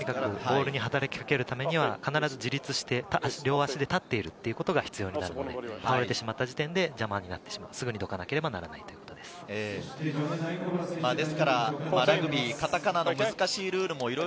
とにかくボールに働きかけるためには、必ず自立して、両足で立っているということが必要になるので、倒れてしまった時点で邪魔になっている、すぐにどかなければいけないということです。